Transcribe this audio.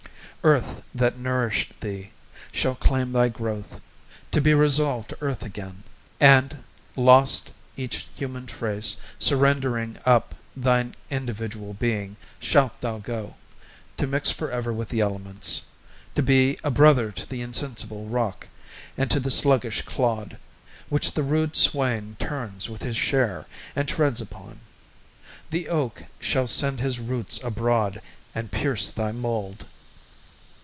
Earth, that nourished thee, shall claim Thy growth, to be resolved to earth again, And, lost each human trace, surrendering up Thine individual being, shalt thou go To mix forever with the elements, To be a brother to the insensible rock And to the sluggish clod, which the rude swain Turns with his share, and treads upon. The oak Shall send his roots abroad, and pierce thy mould.